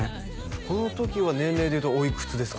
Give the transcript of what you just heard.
この時は年齢でいうとおいくつですか？